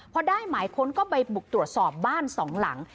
พอได้หมายค้นก็ไปบุกตรวจสอบบ้านสองหลัง